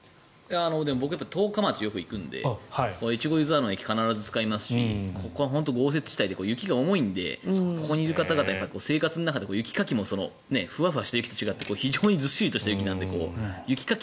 僕は十日町によく行くので越後湯沢の駅、必ず使いますしここは本当に豪雪地帯で雪が重いのでここにいる方々は生活の中で雪かきもふわふわした雪と違って非常にずっしりとした雪なので雪かき